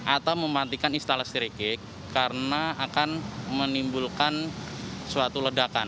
atau mematikan instalasi listrik karena akan menimbulkan suatu kebakaran